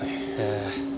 ええ。